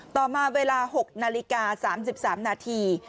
ต่อมาเวลา๖นาฬิกา๓๓นาที